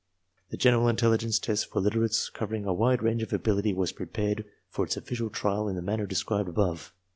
. The general intelligence test for literates, covering a wide range of ability, was prepared for its official trial in the manner described above.